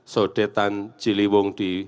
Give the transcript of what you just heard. sodetan ciliwung di